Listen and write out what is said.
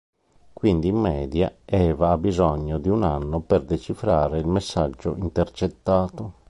Quindi in media Eva ha bisogno di un anno per decifrare il messaggio intercettato.